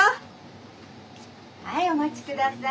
はいお待ち下さい。